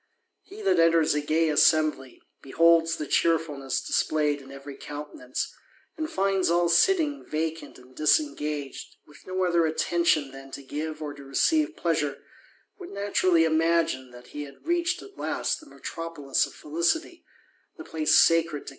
^ fte that enters a gay assembly, beholds the cheerfulness "'flayed in every countenance, and finds all sitting vacant ^^ disengaged, with no other attention than to give or to '^^^We pleasure, would naturally imagine, that he had J ^Hed at last the metropolis of felicity, the place sacred to